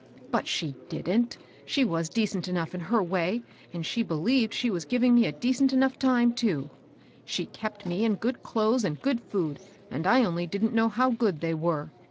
But she didn't, — she was decent enough m her way, and she believed she was giving me a decent enough time, too. She kept me in good clothes and good food, and I only didn't know how good they were.